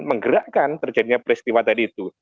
menggerakkan terjadinya peristiwa tadi itu